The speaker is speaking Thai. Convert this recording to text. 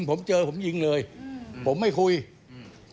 ที่มันก็มีเรื่องที่ดิน